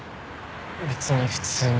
別に普通に。